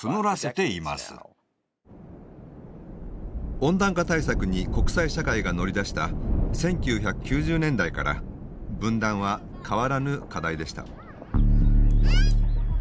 温暖化対策に国際社会が乗り出した１９９０年代から分断は変わらぬ課題でした。